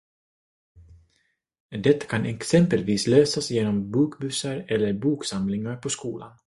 Detta kan exempelvis lösas genom bokbussar eller boksamlingar på skolan.